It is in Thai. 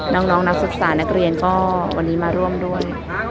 น้องนักศึกษานักเรียนก็วันนี้มาร่วมด้วย